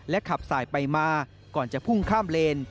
ขับสายไปมาก่อนจะพุ่งข้ามเลน